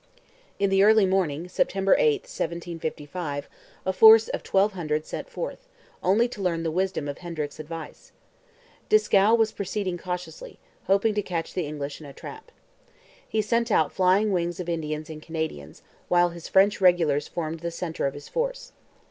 In the early morning, September 8, 1755, a force of twelve hundred set forth, only to learn the wisdom of Hendrick's advice. Dieskau was proceeding cautiously, hoping to catch the English in a trap. He sent out flying wings of Indians and Canadians, while his French regulars formed the centre of his force.